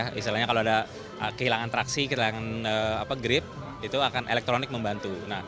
misalnya kalau ada kehilangan traksi kehilangan grip itu akan elektronik membantu